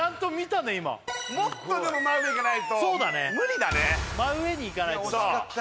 もっとでも真上いかないとそうだね真上に行かないと無理だね